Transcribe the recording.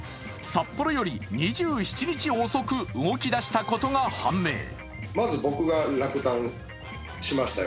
札幌より２７日遅く動き出したことが判明。